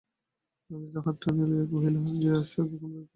ললিতা হাত টানিয়া লইয়া কহিল, তোর যে আসুক এখন বিরক্ত করিস নে।